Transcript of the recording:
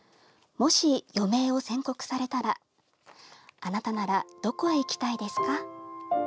もし、余命を宣告されたらあなたならどこへ行きたいですか？